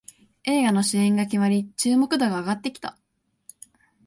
映画の主演が決まり注目度が上がってきた